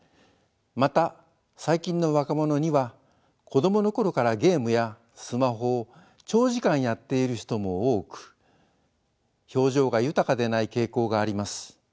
また最近の若者には子供の頃からゲームやスマホを長時間やっている人も多く表情が豊かでない傾向があります。